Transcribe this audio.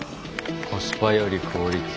コスパよりクオリティ。